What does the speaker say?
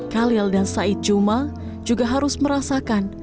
khalil dan said juma juga harus merasakan